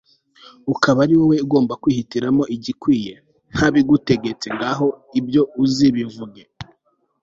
ukaba ari wowe ugomba kwihitiramo igikwiye ntabigutegetse, ngaho ibyo uzi bivuge